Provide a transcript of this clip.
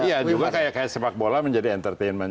iya juga kayak sepak bola menjadi entertainment